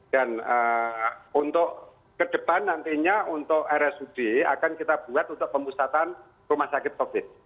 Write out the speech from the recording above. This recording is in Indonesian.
dan untuk kedepan nantinya untuk rsud akan kita buat untuk pemusatan rumah sakit covid